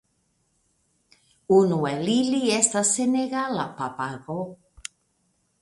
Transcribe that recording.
Unu el ili estas senegala papago.